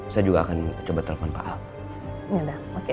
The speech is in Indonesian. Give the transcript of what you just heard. saya juga akan coba telepon pak ahok